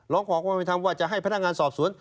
ร้องขอความเป็นธรรมว่าจะให้พนักงานสอบสวน